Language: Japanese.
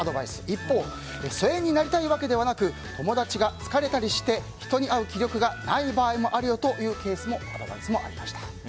一方で疎遠になりたいわけではなく友達が疲れたりして人に会う気力がない場合もあるよというアドバイスもありました。